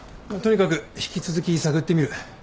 とにかく引き続き探ってみる。